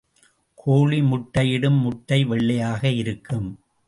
கோழி முட்டையிடும் முட்டை வெள்ளையாக இருக்கும்.